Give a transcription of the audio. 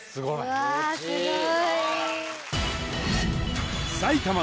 うわすごい。